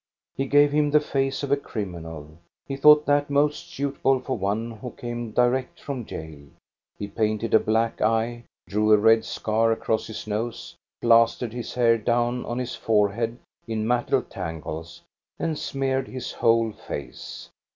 He gave him the face of a crim inal; he thought that most suitable for one who came direct from jail. He painted a black eye, drew a red scar across his nose, plastered his hair down on his forehead in matted tangles, and smeared his whole face.